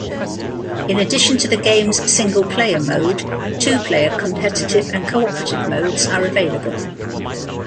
In addition to the game's single-player mode, two-player competitive and cooperative modes are available.